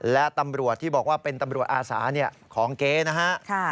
และตำรวจที่บอกว่าเป็นตำรวจอาสาของเก๊นะฮะ